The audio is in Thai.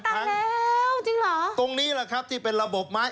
จริงเหรอตรงนี้แหละครับที่เป็นระบบไม้